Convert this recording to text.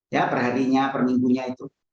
ya perharinya perminggunya itu